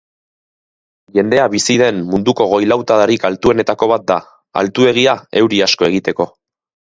Jendea bizi den munduko goi-lautadarik altuenetako bat da, altuegia euri asko egiteko.